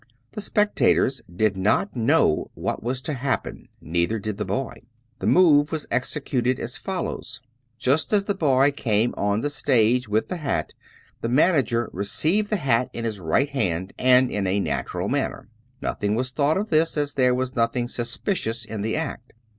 The spectators did not know what was to happen, neither did the boy. The move was executed as follows : Just as the boy came on the stage with the hat the manager received the hat in his right hand and in a natural manner. Nothing was thought of this, as there was nothing suspicious in the act.